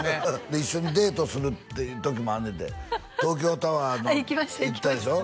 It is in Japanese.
で一緒にデートするっていう時もあんねんて東京タワーの行ったでしょ？